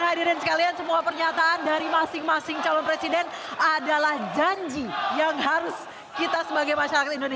dan hadirin sekalian semua pernyataan dari masing masing calon presiden adalah janji yang harus kita sebagai masyarakat indonesia